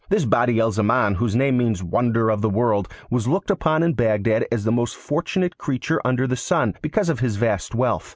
This Badi al Zaman whose name means 'Wonder of the World' was looked upon in Bagdad as the most fortunate creature under the sun, because of his vast wealth.